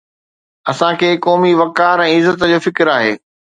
اسان کي قومي وقار ۽ عزت جو فڪر آهي.